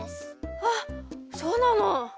あっそうなの？